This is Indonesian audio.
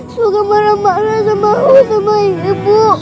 suka marah marah sama aku sama ibu